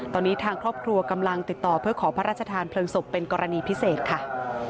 ตอนนี้ทางครอบครัวกำลังติดต่อเพื่อขอพระราชทานเพลิงศพเป็นกรณีพิเศษค่ะ